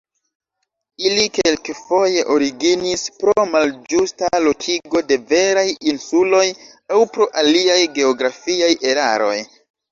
Ili kelkfoje originis pro malĝusta lokigo de veraj insuloj, aŭ pro aliaj geografiaj eraroj.